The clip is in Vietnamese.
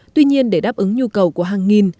tuy nhiên để đáp ứng nhu cầu của hàng nghìn